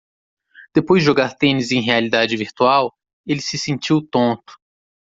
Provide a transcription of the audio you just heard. Depois de jogar tênis em realidade virtual? ele se sentiu tonto.